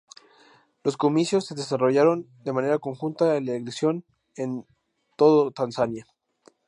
Los comicios se desarrollaron de manera conjunta con la elección en todo Tanzania.